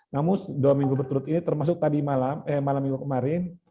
namun dua minggu berturut turut ini termasuk malam minggu kemarin